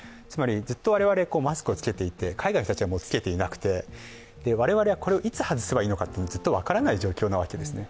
ずっと我々、マスクを着けていて海外の人たちはもう着けていなくて、我々はこれをいつ外せばいいのか、ずっと分からない状況なわけです。